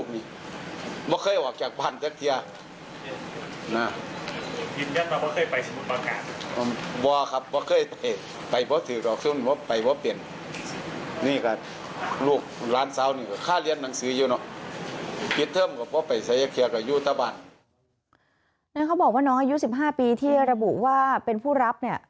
นั่นเขาบอกว่านะอายุสิบห้าปีที่ระบุว่าเป็นผู้รับเนี่ย